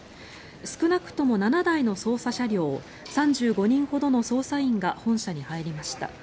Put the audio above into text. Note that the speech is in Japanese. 少なくとも７台の捜査車両３５人ほどの捜査員が本社に入りました。